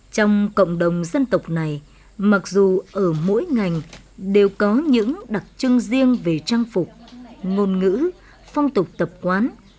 trong cộng đồng dân tộc này mặc dù ở mỗi ngành đều có những đặc trưng riêng về trang phục ngôn ngữ phong tục tập quán